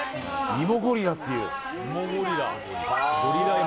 いもゴリラっていう。